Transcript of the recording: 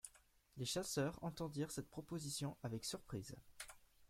Les chasseurs entendirent cette proposition avec surprise.